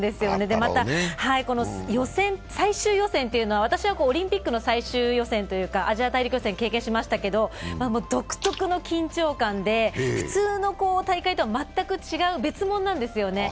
また最終予選というのは、私はオリンピックの最終予選というかアジア大陸予選を経験しましたけれども、独特の緊張感で普通の大会とは全く違う別物なんですよね、